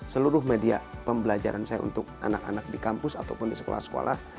seluruh media pembelajaran saya untuk anak anak di kampus ataupun di sekolah sekolah